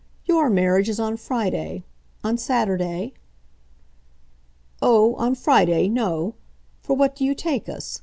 "YOUR marriage is on Friday? on Saturday?" "Oh, on Friday, no! For what do you take us?